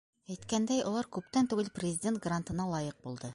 Әйткәндәй, улар күптән түгел Президент грантына лайыҡ булды.